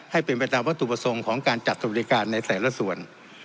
ให้เป็นไปตามวัตถุประสงค์ของการจัดสวัสดิการในแต่ละส่วน